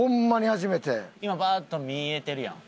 今バーッと見えてるやん。